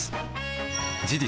事実